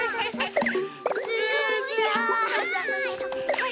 はい。